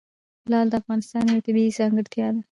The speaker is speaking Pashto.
لعل د افغانستان یوه طبیعي ځانګړتیا ده.